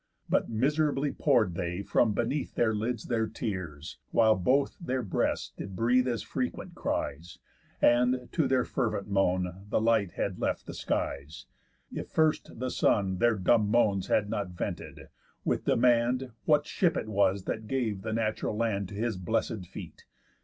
But miserably pour'd they from beneath Their lids their tears, while both their breasts did breathe As frequent cries; and, to their fervent moan, The light had left the skies, if first the son Their dumb moans had not vented, with demand What ship it was that gave the natural land To his bless'd feet?